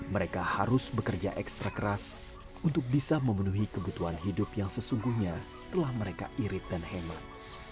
mereka harus bekerja ekstra keras untuk bisa memenuhi kebutuhan hidup yang sesungguhnya telah mereka irit dan hemat